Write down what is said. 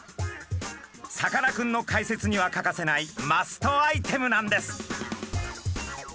さかなクンの解説には欠かせないマストアイテムなんです。